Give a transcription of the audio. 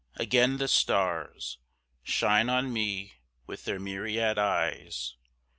Again the stars Shine on me with their myriad eyes.